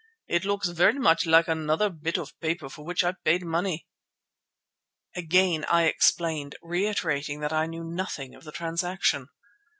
"It looks very much like the other bit of paper for which I paid money." Again I explained, reiterating that I knew nothing of the transaction.